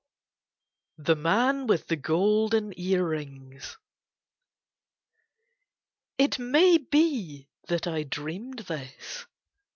THE MAN WITH THE GOLDEN EAR RINGS It may be that I dreamed this.